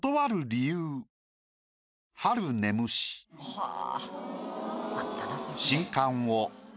はあ。